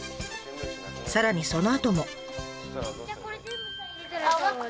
さらにそのあとも。